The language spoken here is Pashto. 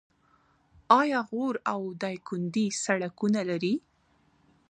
آیا غور او دایکنډي سړکونه لري؟